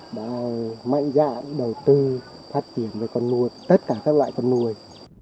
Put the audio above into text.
đã mạnh dạng đầu tư phát triển với con nuôi tất cả các loại con nuôi